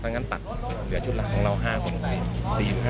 ดังนั้นตักเหลือชุดละของเรา๕คน